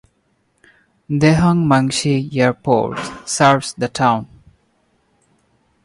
Dehong Mangshi Airport serves the town.